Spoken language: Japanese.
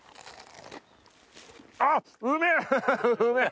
あっうめぇ！